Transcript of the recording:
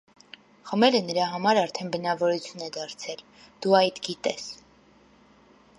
խմելը նրա համար արդեն բնավորություն է դարձել, դու այդ գիտես…